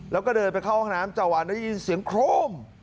แล้วก็เดินไปเข้าห้องน้ำเจ้าวันได้ยินเสียงโครม